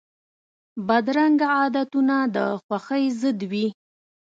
بدرنګه عادتونه د خوښۍ ضد وي